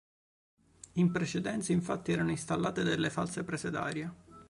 In precedenza, infatti, erano installate delle false prese d'aria.